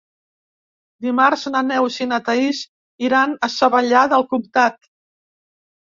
Dimarts na Neus i na Thaís iran a Savallà del Comtat.